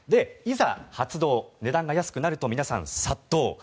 いざ発動、値段が安くなると皆さん、殺到。